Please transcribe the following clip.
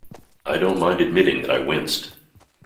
I don't mind admitting that I winced.